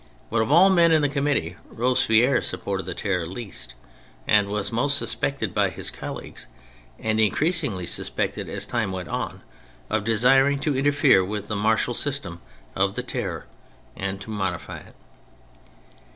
But of all men in the Committee, Robespierre supported the Terror least, and was most suspected by his colleagues — and increasingly suspected as time went on — of desiring to interfere with the martial system of the Terror and to modify it.